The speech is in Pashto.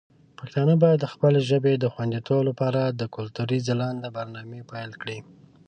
پښتانه باید د خپلې ژبې د خوندیتوب لپاره د کلتوري ځلانده برنامې پیل کړي.